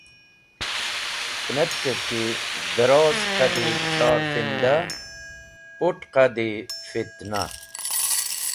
K̃hẽnetkv ki, dẽroz qadi chorfinda put̃ qadi fitna.